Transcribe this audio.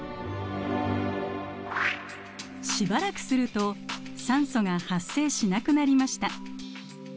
しばらくすると酸素が発生しなくなりました。